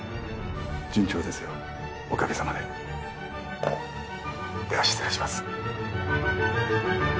順調ですよおかげさまで☎では失礼します